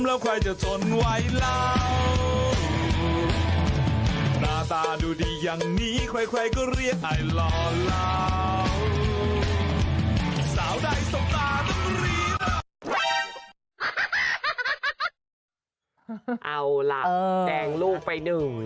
เอาไหล่แดงลูกไปหนึ่ง